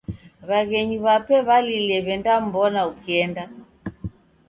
W'aghenyu w'ape w'alilie w'endam'mbona ukienda.